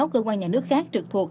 sáu cơ quan nhà nước khác trực thuộc